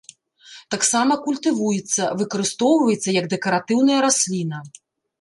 Таксама культывуецца, выкарыстоўваецца як дэкаратыўная расліна.